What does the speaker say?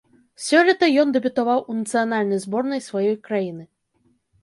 Сёлета ён дэбютаваў у нацыянальнай зборнай сваёй краіны.